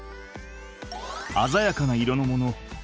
鮮やかな色のもの。